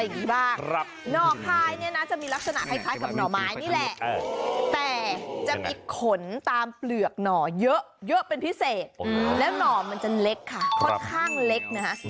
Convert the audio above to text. นั่รมันจะเล็กค่ะค่อนข้างเล็กนะฮะ